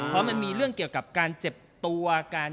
เพราะมันมีเรื่องเกี่ยวกับการเจ็บตัว